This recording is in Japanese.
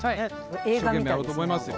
一生懸命やろうと思いますよ。